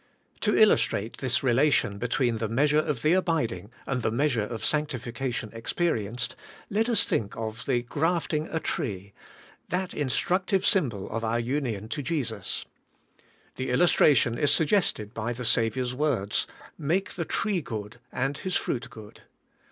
To illustrate this relation between the measure of the abiding and the measure of sanctification experi enced, let us think of the grafting a tree, that in structive symbol of our union to Jesus. The illustra tion is suggested by the Saviour's words, *Make the tree good, and his fruit good.'